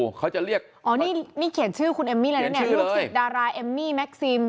นี่เขียนชื่อคุณเอมมี่ลูกศิษย์ดาราเอมมี่แม็กซิม